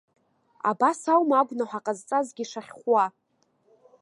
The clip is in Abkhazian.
Абас аума агәнаҳа ҟазҵазгьы шахьхәуа?